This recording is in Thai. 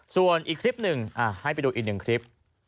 ส่วนอีกคลิปหนึ่งให้ไปดูอีกหนึ่งคลิป